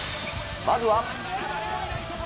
まずは。